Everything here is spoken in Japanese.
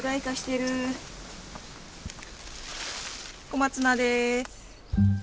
小松菜です。